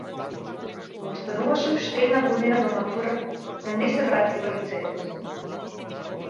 Му остануваше уште една година до матурата, но не се врати во лицејот.